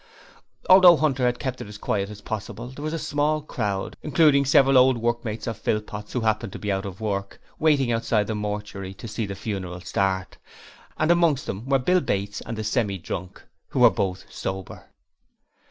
Although Hunter had kept it as quiet as possible, there was a small crowd, including several old workmates of Philpot's who happened to be out of work, waiting outside the mortuary to see the funeral start, and amongst them were Bill Bates and the Semi drunk, who were both sober.